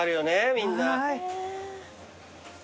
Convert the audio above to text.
みんな。